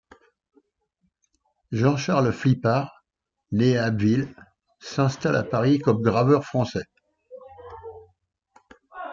Jean-Charles Flipart né à Abbeville s'installe à Paris comme graveur français.